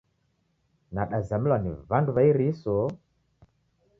Nadazamilwa ni w'andu w'a iriso